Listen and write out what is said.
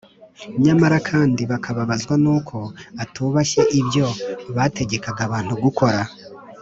Nyamara kandi bakarakazwa n’uko atubashye ibyo bategekaga abantu gukora.